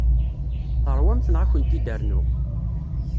Teṛwamt neɣ ad kent-d-rnuɣ?